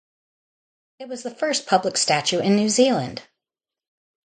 It was the first public statue in New Zealand.